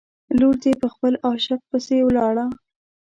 لور دې په خپل عاشق پسې ولاړه.